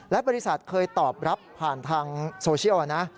และบริษัทเคยตอบรับผ่านทางโซเชียลนะ